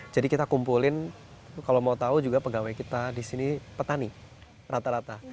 jadi kita kumpulin kalau mau tau juga pegawai kita di sini petani rata rata